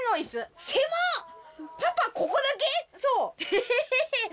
ヘヘヘヘ。